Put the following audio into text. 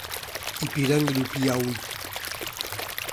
Ipiranga do Piauí